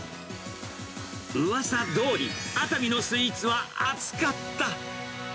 うわさどおり、熱海のスイーツは熱かった。